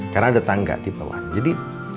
karena ada tangga tipe wan jadi